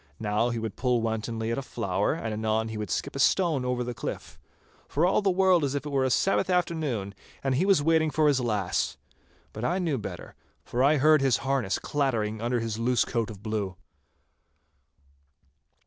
Now he would pull wantonly at a flower, and anon he would skip a stone over the cliff—for all the world as if it were a Sabbath afternoon, and he was waiting for his lass. But I knew better, for I heard his harness clattering under his loose coat of blue.